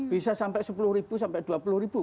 bisa sampai sepuluh sampai dua puluh ribu